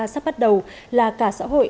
sắp bắt đầu là cả xã hội